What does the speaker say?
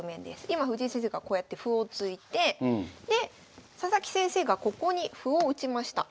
今藤井先生がこうやって歩を突いてで佐々木先生がここに歩を打ちました。